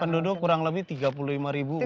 penduduk kurang lebih tiga puluh lima ribu